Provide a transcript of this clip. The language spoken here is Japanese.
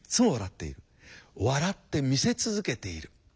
笑ってみせ続けている。